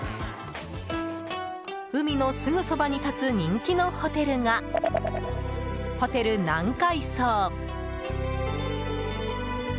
海のすぐそばに立つ人気のホテルが、ホテル南海荘。